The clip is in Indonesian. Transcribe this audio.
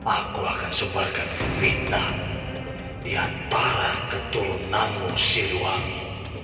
aku akan sebarkan kebidnaan di antara keturunanmu siluamu